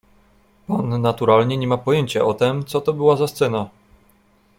"Pan naturalnie nie ma pojęcia o tem, co to była za scena?"